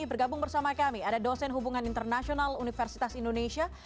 bergabung bersama kami ada dosen hubungan internasional universitas indonesia